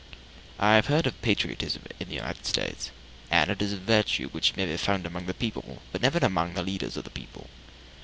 I have heard of patriotism in the United States, and it is a virtue which may be found among the people, but never among the leaders of the people.